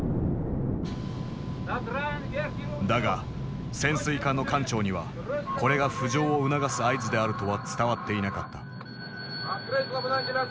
だが潜水艦の艦長にはこれが浮上を促す合図であるとは伝わっていなかった。